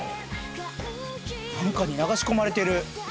何かに流し込まれてる。